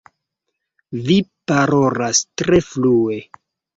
Vi parolas tre flue.